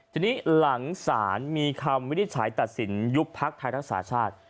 ทีนี้หลังศาลมีคำวินิจฉัยตัดสินยุบพักไทยรักษาชาติ